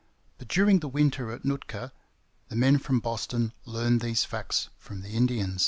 But during the winter at Nootka the men from Boston learned these facts from the Indians.